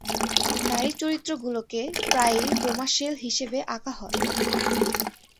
নারী চরিত্রগুলোকে প্রায়ই বোমাশেল হিসেবে আঁকা হয়।